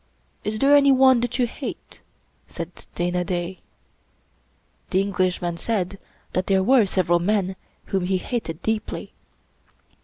"Is there anyone that you hate?" said Dana Da. The Englishman said that there were several men whom he hated deeply.